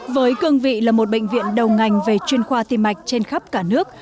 với cương vị là một bệnh viện đầu ngành về chuyên khoa tim mạch trên khắp cả nước